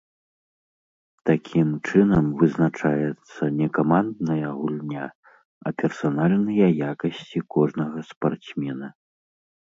Такім чынам вызначаецца не камандная гульня, а персанальныя якасці кожнага спартсмена.